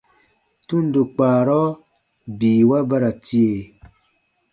Tundo kpaarɔ biiwa ba ra tie.